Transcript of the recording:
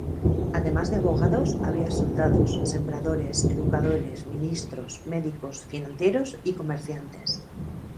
Además de abogados, había soldados, sembradores, educadores, ministros, médicos, financieros, y comerciantes.